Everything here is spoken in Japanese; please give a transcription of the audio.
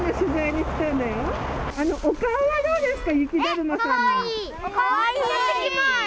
お顔はどうですか。